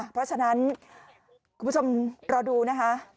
เพราะฉะนั้นคุณผู้ชมรอดูนะคะ